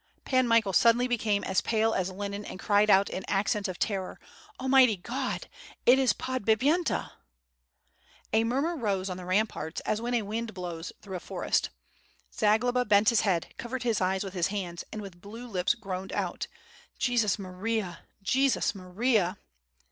Pan Michael suddenly became as pale as linen and cried out in accents of terror: "Almighty God! It is Podbipyenta!'' A murmur rose on the ramparts as when a wind blows through a forest. Zagloba bent his head, covered his eyes with his hand, and with blue lips groaned out: "Jesus Maria! Jesus Maria!''